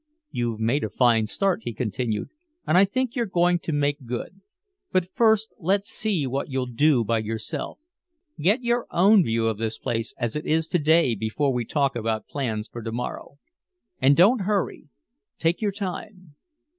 "You've made a fine start," he continued, "and I think you're going to make good. But first let's see what you'll do by yourself. Get your own view of this place as it is to day before we talk about plans for to morrow. And don't hurry. Take your time."